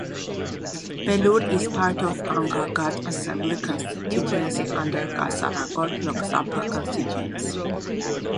Belur is part of Kanhangad Assembly constituency under Kasaragod Loksabha constituency.